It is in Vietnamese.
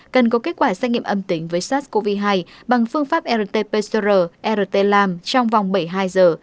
cần có kết quả xét nghiệm âm tính với sars cov hai bằng phương pháp rt pcr rt làm trong vòng bảy mươi hai giờ